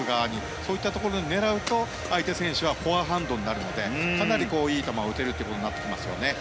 そういったところを狙うと相手選手はフォアハンドになるのでかなりいい球を打てるということになってきますね。